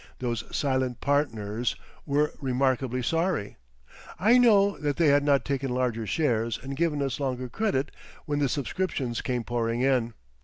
Those silent partners were remarkably sorry, I know, that they had not taken larger shares and given us longer credit when the subscriptions came pouring in.